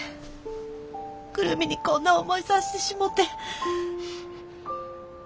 久留美にこんな思いさしてしもて。